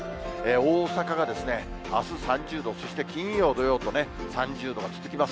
大阪があす３０度、そして金曜、土曜と３０度が続きます。